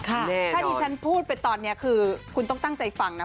ถ้าที่ฉันพูดไปตอนนี้คือคุณต้องตั้งใจฟังนะ